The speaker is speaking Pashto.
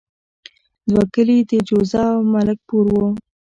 دوه کلي د جوزه او ملک پور وو.